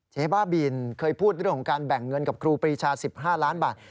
บ้าบินเคยพูดเรื่องของการแบ่งเงินกับครูปรีชา๑๕ล้านบาท